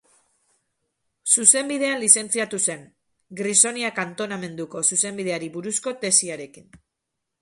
Zuzenbidean lizentziatu zen, Grisonia kantonamenduko zuzenbideari buruzko tesiarekin.